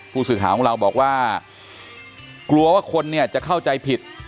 ผู้สื่อข่าวของเราบอกว่ากลัวว่าคนเนี่ยจะเข้าใจผิด